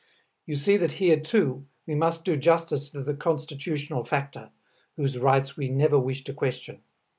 You see that here too we must do justice to the constitutional factor, whose rights we never wish to question.